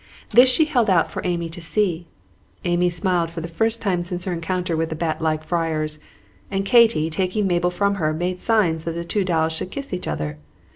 This she held out for Amy to see. Amy smiled for the first time since her encounter with the bat like friars; and Katy, taking Mabel from her, made signs that the two dolls should kiss each other.